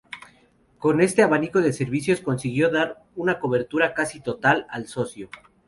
Con este abanico de servicios consiguió dar una cobertura casi total al socio.